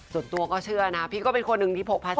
ส่วนตัวก็เชื่อนะพี่ก็เป็นคนหนึ่งที่พกพา